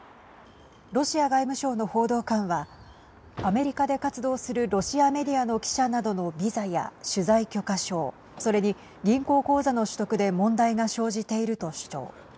ロシア外務省の報道官はアメリカで活動するロシアメディアの記者などのビザや取材許可証それに銀行口座の取得で問題が生じていると主張。